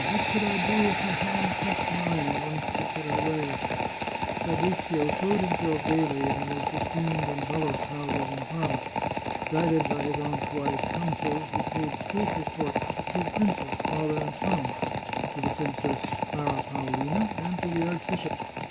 What should I do if her hand pressed mine in one particu lar way ?" Fabrizio showed himself daily in the most esteemed and dullest houses in Parma. Guided by his aunt's wise coun sels, he paid skilful court to the two princes, father and son, to the Princess Clara Paolina, and to the archbishop.